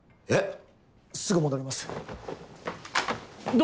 えっ。